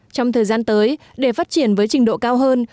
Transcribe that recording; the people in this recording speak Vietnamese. trong thời gian tới để phát triển với trình độ cao hơn